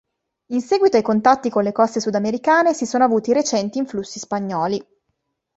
In seguito ai contatti con le coste sudamericane, si sono avuti recenti influssi spagnoli.